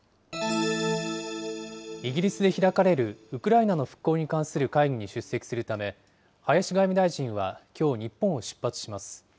イギリスで開かれるウクライナの復興に関する会議に出席するため、林外務大臣はきょう、日本を出発します。